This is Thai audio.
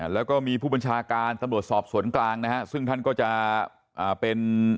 แล้วก็มีผู้บัญชาการตำรวจสอบสวนกลางนะฮะซึ่งท่านก็จะเป็น